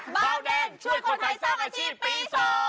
เบาแดงช่วยคนไทยสร้างอาชีพปี๒